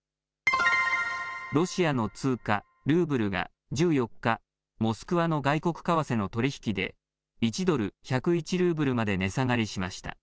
ロシアの通貨、ルーブルが１４日、モスクワの外国為替の取り引きで１ドル１０１ルーブルまで値下がりしました。